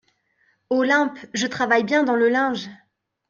Olympe Je travaille bien dans le linge !